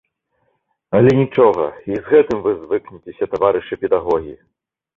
Але нічога, і з гэтым вы звыкніцеся, таварышы педагогі.